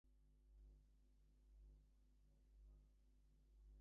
Karika was the daughter of Pa George Karika.